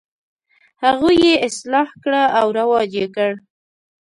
هغوی یې اصلاح کړه او رواج یې کړ.